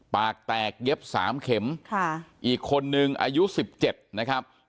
ปากแตกเย็บสามเข็มค่ะอีกคนหนึ่งอายุสิบเจ็บนะครับ